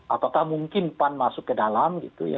apakah mungkin pan masuk ke dalam